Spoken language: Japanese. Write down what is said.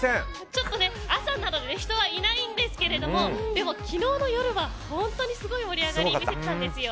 ちょっと朝なので人はいないんですけれども昨日の夜は本当にすごい盛り上がりを見せてたんですよ。